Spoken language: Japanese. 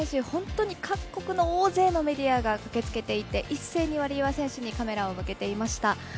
本当に各国の大勢のメディアが駆けつけていて一斉にワリエワ選手にカメラを向けていました。